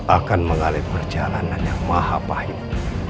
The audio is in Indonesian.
akan mengalir perjalanan yang maha pahit